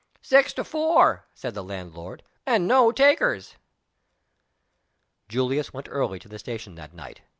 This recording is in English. "Six to four," said the landlord, "and no takers." Julius went early to the station that night.